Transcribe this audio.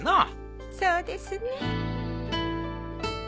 そうですね